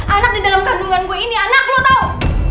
anak di dalam kandungan gue ini anak lo tau